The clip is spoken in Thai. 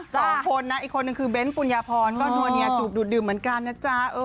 สองคนนะอีกคนนึงคือเบ้นปุญญาพรก็นัวเนียจูบดูดดื่มเหมือนกันนะจ๊ะ